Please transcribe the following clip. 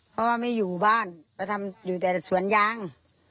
เพราะว่าไม่อยู่บ้านไปทำอยู่แต่สวนยาง